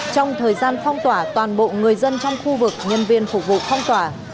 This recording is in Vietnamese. trong thời gian phong tỏa toàn bộ người dân trong khu vực nhân viên phục vụ phong tỏa